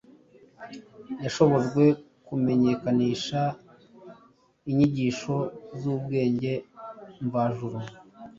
yashobojwe kumenyekanisha inyigisho z’ubwenge mvajuru